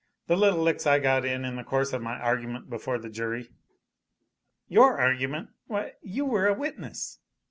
The little licks I got in in the course of my argument before the jury " "Your argument! Why, you were a witness."